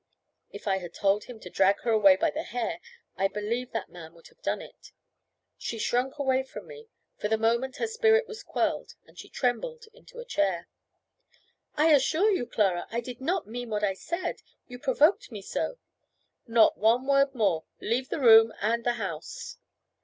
If I had told him to drag her away by the hair, I believe that man would have done it. She shrunk away from me; for the moment her spirit was quelled, and she trembled into a chair. "I assure you, Clara, I did not mean what I said. You provoked me so." "Not one word more. Leave the room and the house."